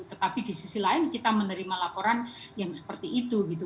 tetapi di sisi lain kita menerima laporan yang seperti itu gitu